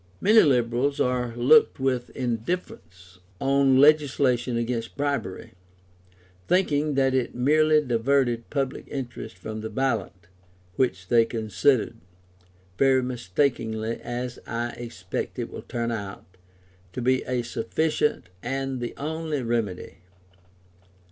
Many Liberals also looked with indifference on legislation against bribery, thinking that it merely diverted public interest from the Ballot, which they considered very mistakenly as I expect it will turn out to be a sufficient, and the only, remedy.